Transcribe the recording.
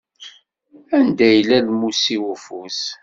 Anda yella lmus-iw ufus?